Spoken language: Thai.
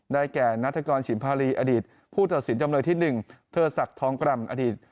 แก่นัฐกรฉิมพารีอดีตผู้ตัดสินจำเลยที่๑เทอร์ศักดิ์ทองกรรมอดีต